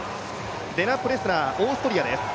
レナ・プレスラー、オーストリアです。